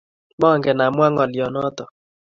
mangen amwaa ngolyonoto